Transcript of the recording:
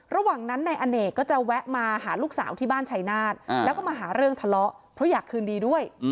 ระหว่างนั้นนายอเนกก็จะแวะมาหาลูกสาวที่บ้านชายนาฏแล้วก็มาหาเรื่องทะเลาะเพราะอยากคืนดีด้วย